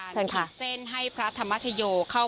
เชิญค่ะ